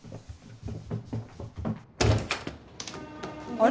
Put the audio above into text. あれ？